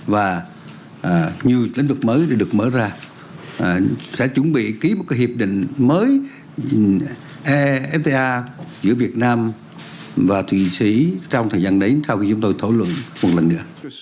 và nhiều lĩnh vực mới được mở ra sẽ chuẩn bị ký một hiệp định mới effta giữa việt nam và thụy sĩ trong thời gian đến sau khi chúng tôi thảo luận một lần nữa